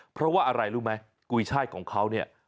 เพราะว่าอะไรรู้ไหมกุยช่ายของเขาเนี่ย